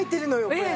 これ。